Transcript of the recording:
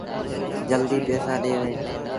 جلديٚ پئيٚسآ ڏي وهيٚ۔